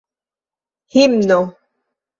himno